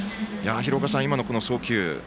廣岡さん、今の送球。